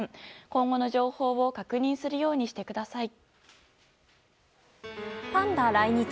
今後の情報を確認するようにしてください。